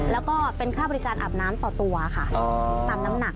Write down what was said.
แล้วก็เป็นค่าบริการอาบน้ำต่อตัวค่ะตามน้ำหนัก